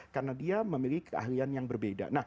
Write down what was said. karena dia memiliki keahlian yang berbeda